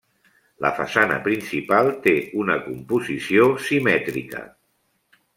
La façana principal té una composició simètrica.